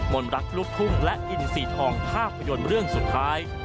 นรักลูกทุ่งและอินสีทองภาพยนตร์เรื่องสุดท้าย